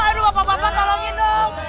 aduh bapak bapak tolongin dong